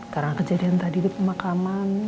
karena kejadian tadi di pemakaman